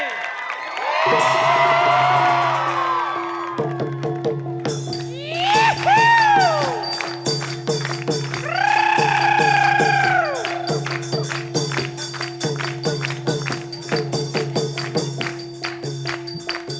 เยี่ยมค่ะ